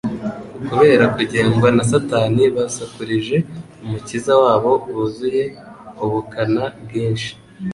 Kubera kugengwa na Satani, basakurije Umukiza wabo buzuye ubukana bwinshi.